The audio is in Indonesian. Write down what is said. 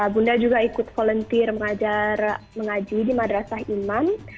bunda juga ikut volunteer mengajar mengaji di madrasah imam